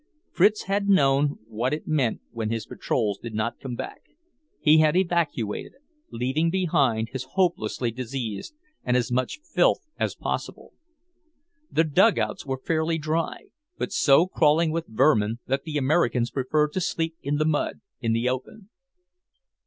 Fritz had known what it meant when his patrols did not come back. He had evacuated, leaving behind his hopelessly diseased, and as much filth as possible. The dugouts were fairly dry, but so crawling with vermin that the Americans preferred to sleep in the mud, in the open.